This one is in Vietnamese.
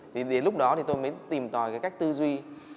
thì đến lúc đó tôi mới tìm tòi cái cách tư duy